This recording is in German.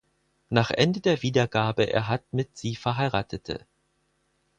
Nach Ende der Wiedergabe er hat mit sie verheiratete.